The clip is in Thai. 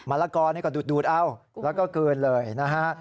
มะละกอนให้กว่าดูดเอ้าแล้วก็เกินเลยนะฮะ